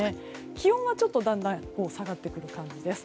気温はだんだん下がってくる感じです。